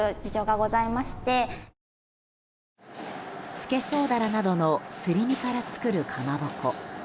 スケソウダラなどのすり身から作るカマボコ。